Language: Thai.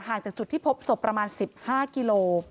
จากจุดที่พบศพประมาณ๑๕กิโล